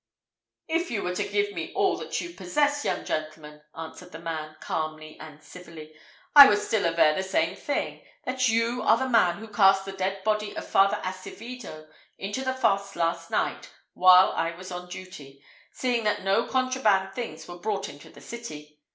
"If you were to give me all that you possess, young gentleman," answered the man, calmly and civilly, "I would still aver the same thing that you are the man who cast the dead body of Father Acevido into the fosse last night, while I was on duty, seeing that no contraband things were brought into the city.